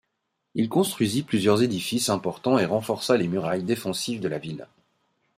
Il construisit plusieurs édifices importants et renforça les murailles défensives de la ville.